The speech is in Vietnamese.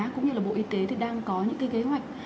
cũng như bộ y tế đang có những kế hoạch